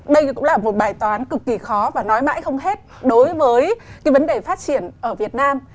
đây cũng là một bài toán cực kỳ khó và nói mãi không hết đối với cái vấn đề phát triển ở việt nam